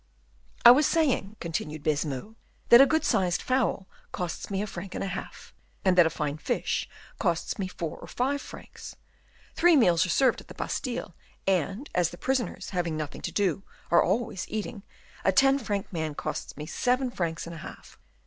"I was saying," continued Baisemeaux, "that a good sized fowl costs me a franc and a half, and that a fine fish costs me four or five francs. Three meals are served at the Bastile, and, as the prisoners, having nothing to do, are always eating, a ten franc man costs me seven francs and a half."